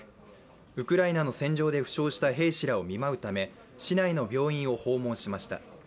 ウクライナの戦場で負傷した兵士らを見舞うため市内の病院を訪問しました。